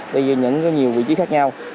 vì những nhiều vị trí khác nhau